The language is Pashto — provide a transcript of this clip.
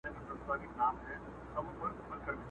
خزان له پېغلو پېزوانونو سره لوبي کوي!